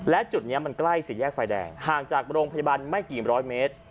และจุดนี้มันใกล้สี่แยกไฟแดงห่างจากโรงพยาบาลไม่กี่ร้อยเมตร